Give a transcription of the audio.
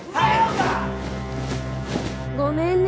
ごめんね。